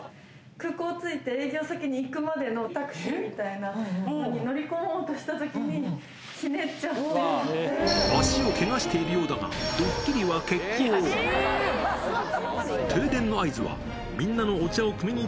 空港着いて、営業先に行くまでのタクシーみたいなのに乗り込もうとしたときに、足をけがしているようだが、ドッキリは決行。